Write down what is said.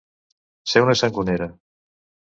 Ser una sangonera.